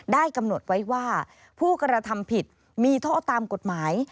ได้กำหนดไว้ว่าผู้กระทำผิดมีโทษตามกฎหมาย